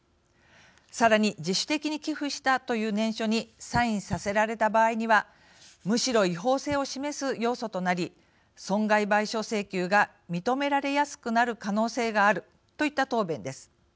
さらに、自主的に寄付したという念書にサインさせられた場合にはむしろ、違法性を示す要素となり損害賠償請求が認められやすくなる可能性があるといった答弁です。